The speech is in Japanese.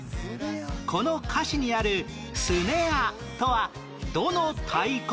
この歌詞にあるスネアとはどの太鼓の事？